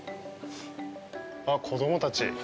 あっ、子供たち。